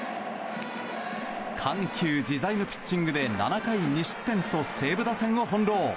緩急自在のピッチングで７回２失点と西武打線を翻弄。